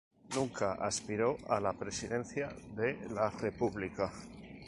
Nunca aspiró a la Presidencia de la República.